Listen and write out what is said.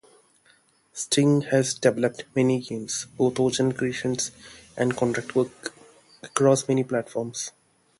Sting has developed many games, both original creations and contract work, across many platforms.